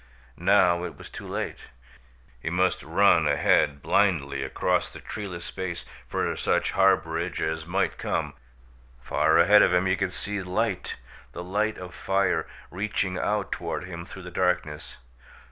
Now it was too late. He must run ahead blindly across the treeless space for such harborage as might come. Far ahead of him he could see light, the light of fire, reaching out toward him through the darkness.